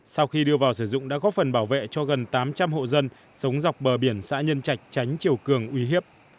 sau khi đưa vào sử dụng đã góp phần bảo vệ cho gần tám trăm linh hộ dân sống dọc bờ biển xã nhân trạch tránh chiều cường uy hiếp